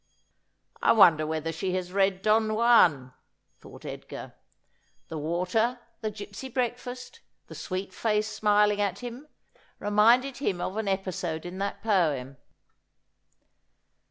' I wonder whether she has read Don Juan ?' thought Edgar. The water, the gipsy breakfast, the sweet face smiling at him, reminded him of an episode in that poem.